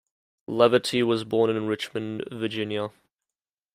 Leverty was born in Richmond, Virginia.